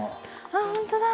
あっ本当だ。